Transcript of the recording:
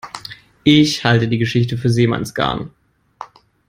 Ich halte die Geschichte für Seemannsgarn.